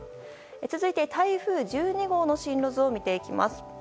続いて台風１２号の進路図を見ていきます。